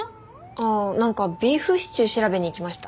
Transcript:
ああなんかビーフシチュー調べに行きました。